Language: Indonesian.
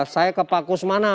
saya ke pak kusmana